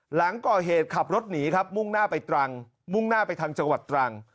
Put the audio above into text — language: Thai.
หลังก่อเหตุขับรถหนีครับมุ่งหน้าไปตรังมุ่งหน้าไปทางจังหวัดตรัง